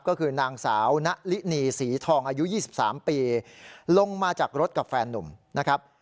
ก็คือนางสาวณลินีศรีทองอายุ๒๓ปีลงมาจากรถกับแฟนนุ่มนะครับ